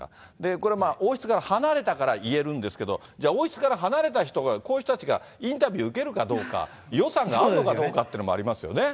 これ、王室から離れたから言えるんですけど、じゃあ王室から離れた人が、こういう人たちがインタビュー受けるかどうか、予算があるのかどうかっていうのもありますよね。